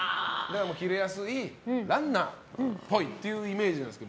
キレやすいランナーっぽいっていうイメージなんです。